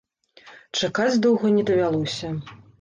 Чакаць доўга не давялося.